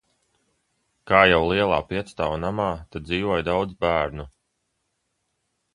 Kā jau lielā piecstāvu namā te dzīvoja daudz bērnu.